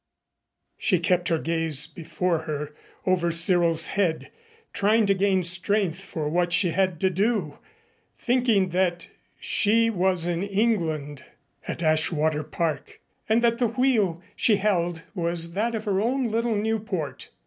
She kept her gaze before her over Cyril's head, trying to gain strength for what she had to do, thinking that she was in England at Ashwater Park and that the wheel she held was that of her own little Nieuport.